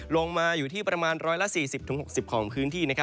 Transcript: ลงมาอยู่ที่ประมาณ๑๔๐๖๐ของพื้นที่